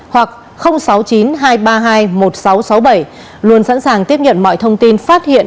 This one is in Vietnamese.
hoặc sáu mươi chín hai trăm ba mươi hai một nghìn sáu trăm sáu mươi bảy luôn sẵn sàng tiếp nhận mọi thông tin phát hiện